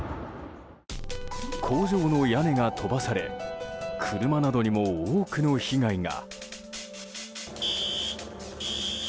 工場の屋根が飛ばされ車などにも多くの被害が。